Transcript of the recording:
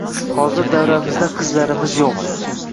Hozir davramizda qizlarimiz yo`q